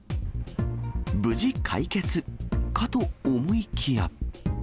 無事解決かと思いきや。